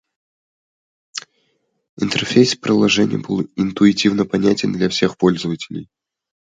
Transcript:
Интерфейс приложения был интуитивно понятен для всех пользователей.